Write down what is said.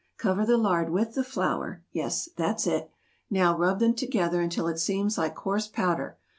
Cover the lard with the flour. Yes, that's it! Now, rub them together until it seems like coarse powder.